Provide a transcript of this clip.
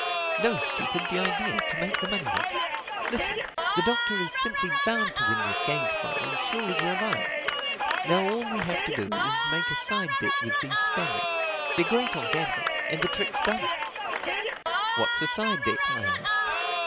"No, stupid. The idea—to make the money with. Listen: the Doctor is simply bound to win this game to morrow, sure as you're alive. Now all we have to do is to make a side bet with these Spaniards—they're great on gambling—and the trick's done." "What's a side bet?" I asked.